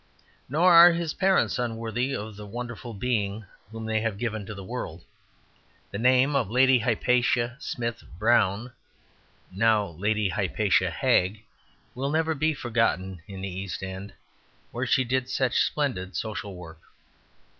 Nor are his parents unworthy of the wonderful being whom they have given to the world. The name of Lady Hypatia Smythe Browne (now Lady Hypatia Hagg) will never be forgotten in the East End, where she did such splendid social work.